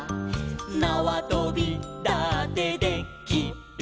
「なわとびだってで・き・る」